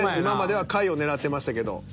今までは下位を狙ってましたけど。